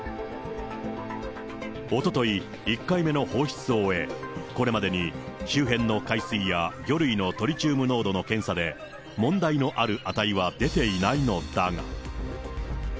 おととい１回目の放出を終え、これまでに、周辺の海水や魚類のトリチウム濃度の検査で、問題のある値は出ていないのだが。